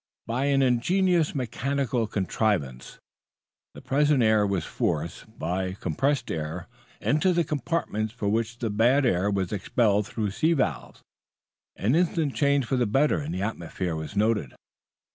By an ingenious mechanical contrivance the present air was forced, by compressed air draught, into compartments from which the bad air was expelled through sea valves. An instant change for the better in the atmosphere was noted.